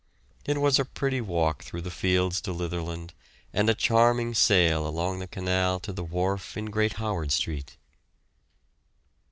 It was a pretty walk through the fields to Litherland, and a charming sail along the canal to the wharf in Great Howard Street.